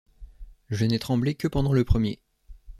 Je n’ai tremblé que pendant le premier...